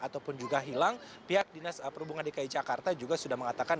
ataupun juga hilang pihak dinas perhubungan dki jakarta juga sudah mengatakan